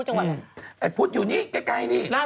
คุณแม่ที่หนูรักมาก